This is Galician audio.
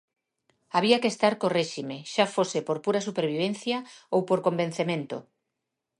Había que estar co réxime, xa fose por pura supervivencia ou por convencemento.